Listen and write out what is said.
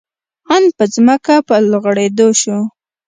آن په ځمکه په لوغړېدو شو.